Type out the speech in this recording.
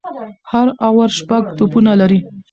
هر اوور شپږ توپونه لري.